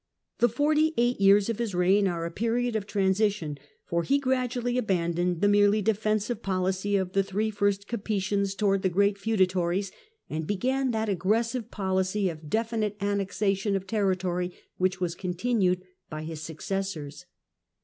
The forty eight years of his reign are a period of transition, for he gradually abandoned the merely defensive policy of the three first Capetians towards the great feudatories, and began that aggressive policy of definite annexation of territory which was continued by his successors.